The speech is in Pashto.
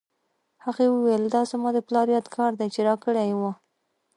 هغې وویل دا زما د پلار یادګار دی چې راکړی یې و